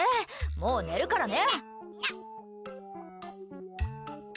もう寝るからね。